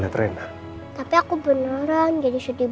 pake di rumah sakit waktu itu